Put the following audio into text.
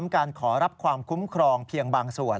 การขอรับความคุ้มครองเพียงบางส่วน